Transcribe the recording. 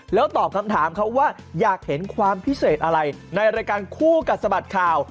แล้วตอบคำถามเขาว่าอยากเห็นความพิเศษอะไรในรายการคู่กัดสะบัดข่าว